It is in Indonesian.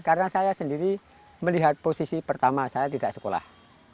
karena saya sendiri melihat posisi pertama saya tidak sekolah